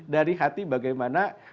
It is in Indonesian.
dari hati bagaimana